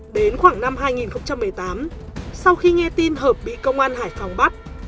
đến khoảng năm hai nghìn một mươi tám sau khi nghe tin hợp bị công an hải phòng bắt